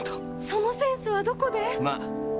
そのセンスはどこで？